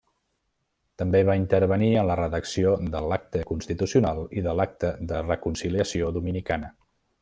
També va intervenir en la redacció de l'Acta Constitucional i de l'Acta de Reconciliació Dominicana.